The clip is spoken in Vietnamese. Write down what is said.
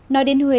nói đến huế